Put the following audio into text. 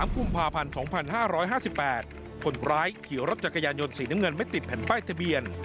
กุมภาพันธ์๒๕๕๘คนร้ายขี่รถจักรยานยนต์สีน้ำเงินไม่ติดแผ่นป้ายทะเบียน